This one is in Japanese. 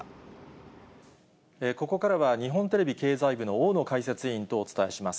ここからは、日本テレビ経済部の大野解説委員とお伝えします。